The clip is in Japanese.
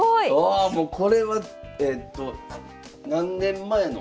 わこれはえっと何年前の？